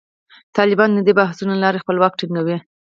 طالبان د دې بحثونو له لارې خپل واک ټینګوي.